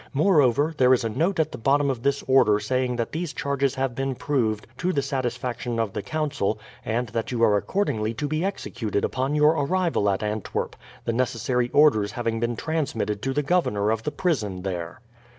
Moreover, there is a note at the bottom of this order saying that these charges have been proved to the satisfaction of the Council, and that you are accordingly to be executed upon your arrival at Antwerp, the necessary orders having been transmitted to the governor of the prison there."